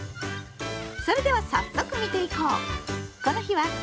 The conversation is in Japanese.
それでは早速見ていこう！